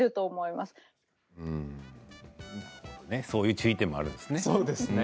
そういう注意点もあるんですね。